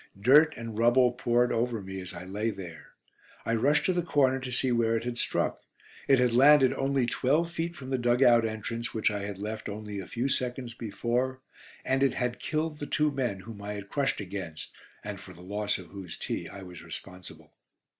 Dirt and rubble poured over me as I lay there. I rushed to the corner to see where it had struck. It had landed only twelve feet from the dug out entrance which I had left only a few seconds before, and it had killed the two men whom I had crushed against, and for the loss of whose tea I was responsible.